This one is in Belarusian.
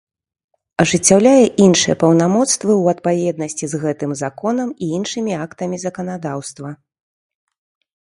Ажыццяўляе iншыя паўнамоцтвы ў адпаведнасцi з гэтым Законам i iншымi актамi заканадаўства.